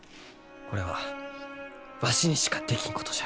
これはわしにしかできんことじゃ。